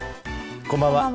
こんばんは。